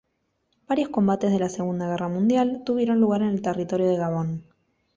Varios combates de la Segunda Guerra Mundial tuvieron lugar en el territorio de Gabón.